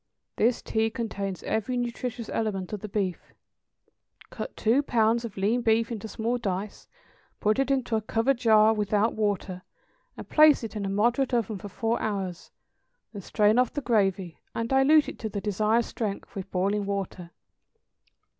= (This tea contains every nutritious element of the beef.) Cut two pounds of lean beef into small dice, put it into a covered jar without water, and place it in a moderate oven for four hours, then strain off the gravy, and dilute it to the desired strength with boiling water.